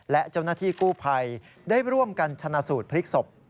และเจ้าหน้าที่กู้ภัยได้ร่วมกันชนะสูตรพลิกศพ